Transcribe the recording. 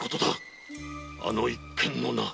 あの一件のな。